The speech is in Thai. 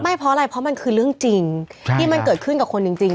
เพราะอะไรเพราะมันคือเรื่องจริงที่มันเกิดขึ้นกับคนจริง